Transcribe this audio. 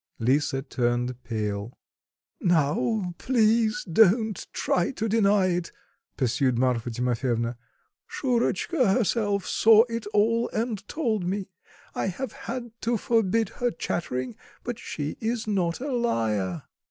Lisa turned pale. "Now, please, don't try to deny it," pursued Marfa Timofyevna; "Shurotchka herself saw it all and told me. I have had to forbid her chattering, but she is not a liar."